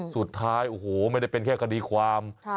สุดท้ายโอ้โหไม่ได้เป็นแค่คดีความ